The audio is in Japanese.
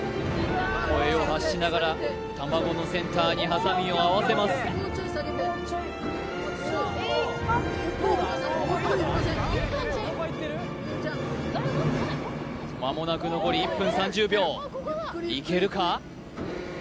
声を発しながら卵のセンターにハサミを合わせます間もなく残り１分３０秒いけるか？